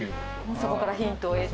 そこからヒントを得て。